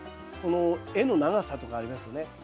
この絵の長さとかありますよね。